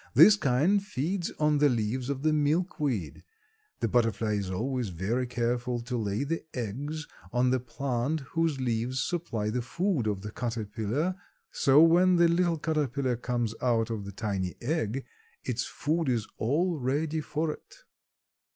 This kind feeds on the leaves of the milk weed. The butterfly is always very careful to lay the eggs on the plant whose leaves supply the food of the caterpillar so when the little caterpillar comes out of the tiny egg its food is all ready for it."